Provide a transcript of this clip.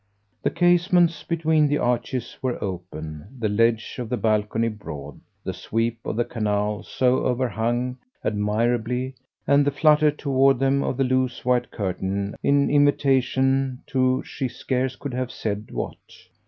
The casements between the arches were open, the ledge of the balcony broad, the sweep of the canal, so overhung, admirable, and the flutter toward them of the loose white curtain an invitation to she scarce could have said what.